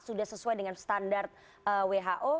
sudah sesuai dengan standar who